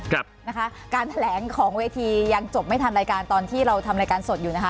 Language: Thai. ครับนะคะการแถลงของเวทียังจบไม่ทันรายการตอนที่เราทำรายการสดอยู่นะคะ